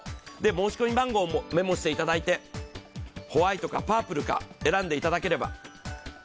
申し込み番号もメモしていただいてホワイトかパープルか選んでいただければ。